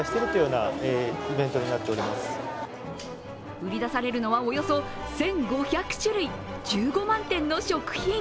売り出されるのは、およそ１５００種類、１５万点の食品。